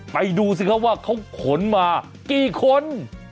ไปดูสิเขาว่าเขาขนมากี่คน